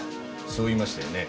そう言いましたよね？